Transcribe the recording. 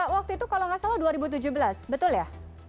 waktu itu kalau nggak salah dua ribu tujuh belas betul ya